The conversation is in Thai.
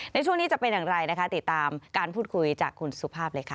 ในช่วงนี้จะเป็นอย่างไรนะคะติดตามการพูดคุยจากคุณสุภาพเลยค่ะ